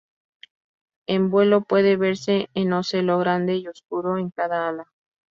En vuelo, puede verse un ocelo grande y oscuro en cada ala.